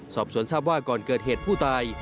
สอบสวนทราบว่าก่อนเกิดเหตุผู้ตาย